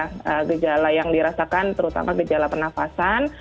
gejala yang dirasakan terutama gejala penafasan